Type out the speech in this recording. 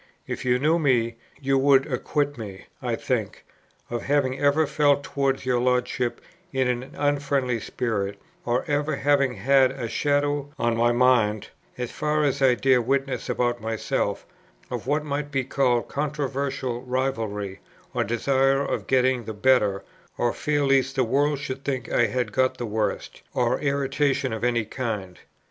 If you knew me, you would acquit me, I think, of having ever felt towards your Lordship in an unfriendly spirit, or ever having had a shadow on my mind (as far as I dare witness about myself) of what might be called controversial rivalry or desire of getting the better, or fear lest the world should think I had got the worse, or irritation of any kind.